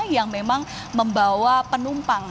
yang memang membawa penumpang